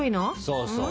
そうそう。